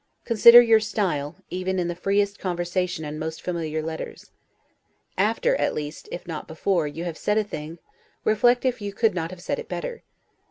Consider your style, even in the freest conversation and most familiar letters. After, at least, if not before, you have said a thing, reflect if you could not have said it better.